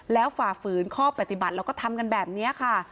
แล้วฝ่าฝืนข้อปฏิบัติแล้วก็ทำกันแบบนี้ค่ะ